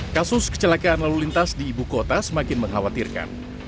kasus kecelakaan lalu lintas di ibu kota semakin mengkhawatirkan